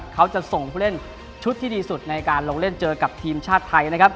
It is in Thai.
เขาจะส่งผู้เล่นชุดที่ดีสุดในการลงเล่นเจอกับทีมชาติไทยนะครับ